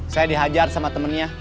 saya dihajar sama temennya